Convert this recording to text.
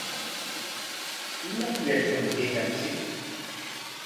¿Ima killatrawmi kaykanchik?